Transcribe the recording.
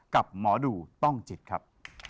กับหมอดูต้องจิตครับ